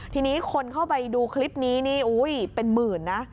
ทีนี้คนเข้าไปดูคลิปนี้นี่เป็นหมื่นนะ